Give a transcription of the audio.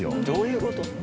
どういうこと？